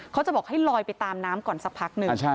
เขาจะบอกให้ลอยไปตามน้ำก่อนสักพักหนึ่ง